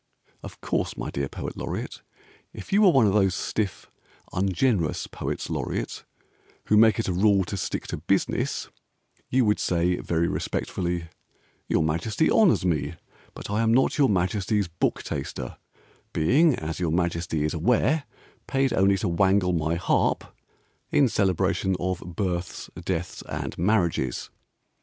Of course, my dear Poet Laureate, If you were one of those stiff ungenerous Poets Laureate Who make it a rule to stick to business, You would say very respectfully, "Your Majesty honours me, But I am not your Majesty's Book Taster, Being, as your Majesty is aware, Paid only to wangle my harp In celebration of Births, Deaths, and Marriages.